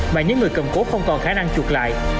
mà những người cầm cố không còn khả năng chuột lại